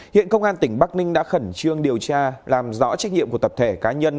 hiện công an tỉnh bắc ninh đã khẩn trương điều tra làm rõ trách nhiệm của tập thể cá nhân